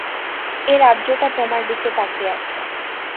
এ রাজ্যটা তোমার দিকে তাকিয়ে আছে।